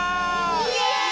イエイ！